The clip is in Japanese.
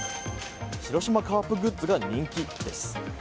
広島カープグッズが人気！です。